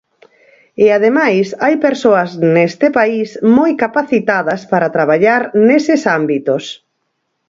E ademais hai persoas neste país moi capacitadas para traballar neses ámbitos.